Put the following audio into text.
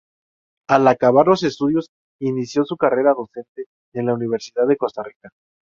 Al acabar los estudios inició su carrera docente en la Universidad de Costa Rica.